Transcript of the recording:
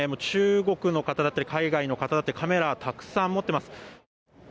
中国の方だったり海外の方だったりカメラ、たくさん持っています。